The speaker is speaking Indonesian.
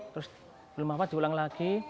terus belum apa apa diulang lagi